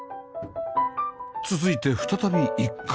続いて再び１階